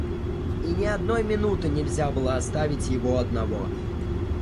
И ни одной минуты нельзя было оставить его одного.